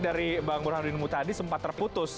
dari bang burhan rindu tadi sempat terputus